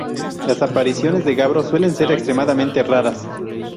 Las apariciones de Gabro suelen ser extremadamente raras.